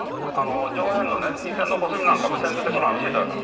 上辺の２線のコスミなんかも先手で黒が打てちゃう可能性が。